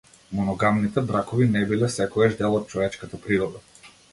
Моногамните бракови не биле секогаш дел од човечката природа.